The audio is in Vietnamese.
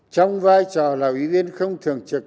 trong vai trò là ủy viên không thường trực